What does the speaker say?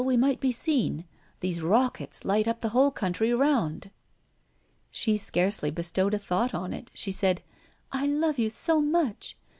We might be seen. These rockets light up the whole country around." She scarcely bestowed a thought on it; she said: "I love you so much!"